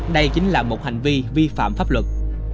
đây chính là một hành vi vi phạm pháp luật